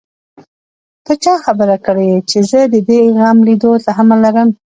ته چا خبره کړې چې زه د دې غم ليدو تحمل لرم.